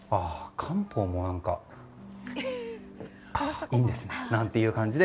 漢方もいいんですね。なんていう感じで。